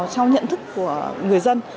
trong nhận thức của người dân